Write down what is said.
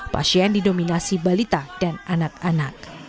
pasien didominasi balita dan anak anak